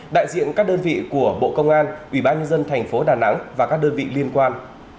đại diện các đơn vị của bộ công an ủy ban nhân dân thành phố đà nẵng và các đơn vị liên quan